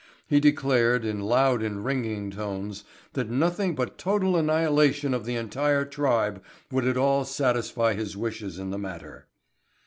He declared, in loud and ringing tones, that nothing but total annihilation of the entire tribe would at all satisfy his wishes in the matter.